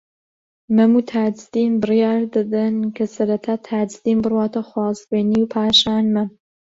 مەم و تاجدین بڕیار دەدەن کە سەرەتا تاجدین بڕواتە خوازبێنیی و پاشان مەم